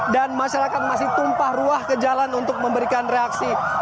dan masyarakat masih tumpah ruah ke jalan untuk memberikan reaksi